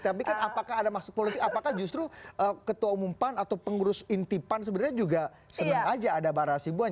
tapi kan apakah ada maksud politik apakah justru ketua umum pan atau pengurus inti pan sebenarnya juga senang aja ada barah sibuan